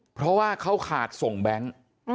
เพราะว่าเขาขาดส่งแบงค์